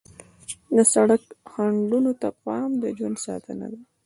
د سړک خنډونو ته پام د ژوند ساتنه ده.